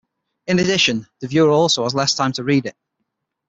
In addition, the viewer also has less time to read it.